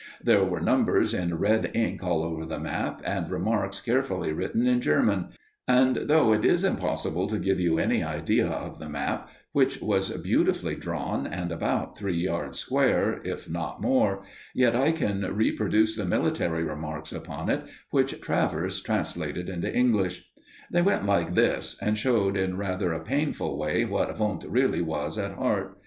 There were numbers in red ink all over the map, and remarks carefully written in German; and though it is impossible to give you any idea of the map, which was beautifully drawn and about three yards square, if not more, yet I can reproduce the military remarks upon it, which Travers translated into English. They went like this, and showed in rather a painful way what Wundt really was at heart.